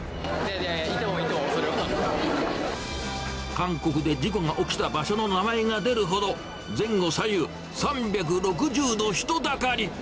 韓国で事故が起きた場所の名前が出るほど、前後左右、３６０度人だかり。